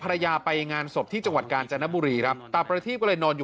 ภรรยาไปงานศพที่จังหวัดกาญจนบุรีครับตาประทีบก็เลยนอนอยู่